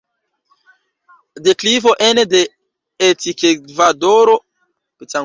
Deklivo ene de etikedvaloro estas reprezentita per du apudaj deklivoj.